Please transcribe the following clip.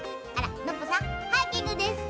ノッポさんハイキングですか？